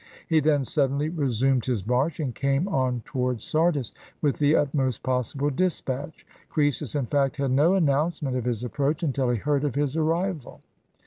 He then suddenly resumed his march, and came on toward Sardis with the utmost possible dispatch. Croesus, in fact, had no announcement of his approach, until he heard of his arrival.